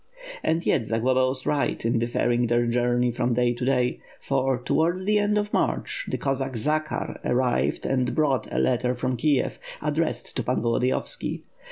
And yet Zagloba was right in deferring their journey from day to day, for, towards the end of March, the Cossack Zakhar arrived and brought a letter from Kiev, addressed to Pan Volodiyovski.